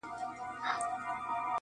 دا د مرګي له چېغو ډکه شپېلۍ-